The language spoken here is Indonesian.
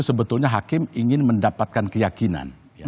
sebetulnya hakim ingin mendapatkan keyakinan